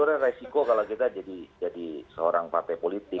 sebenarnya resiko kalau kita jadi seorang partai politik